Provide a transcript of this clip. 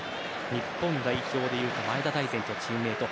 日本代表でいうと前田大然とチームメート。